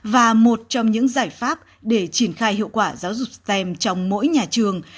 và một trong những giải pháp để triển khai hiệu quả giáo dục stem trong mỗi nhà trường